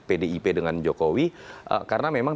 pdip dengan jokowi karena memang